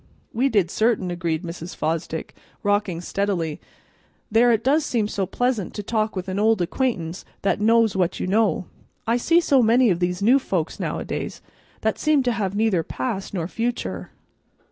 "We did certain," agreed Mrs. Fosdick, rocking steadily. "There, it does seem so pleasant to talk with an old acquaintance that knows what you know. I see so many of these new folks nowadays, that seem to have neither past nor future.